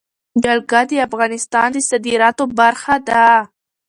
جلګه د افغانستان د صادراتو برخه ده.